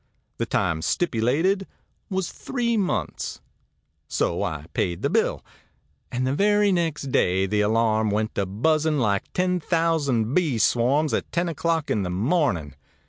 The time stipulated was three months. So I paid the bill, and the very next day the alarm went to buzzing like ten thousand bee swarms at ten o'clock in the morning.